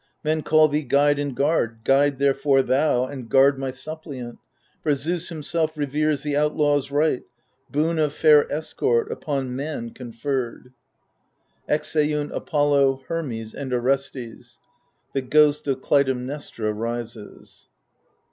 Men call thee guide and guard, Guide therefore thou and guard my suppliant ; For Zeus himself reveres the outlaw's right. Boon of fair escort, upon man conferred. [Exeunt ApollOy Hermes^ and Orestes, The Ghost of Clytemnestra rises.